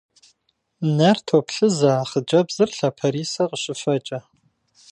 Нэр топлъызэ а хъыджбзыр лъапэрисэ къыщыфэкӏэ.